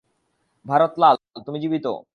ভারত লাল, তুমি জীবিত।